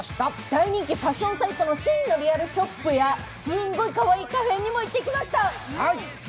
大人気ファッションサイトＳＨＥＩＮのリアルショップやすんごいかわいいカフェにも行ってきました。